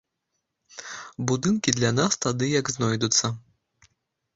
Будынкі для нас тады як знойдуцца.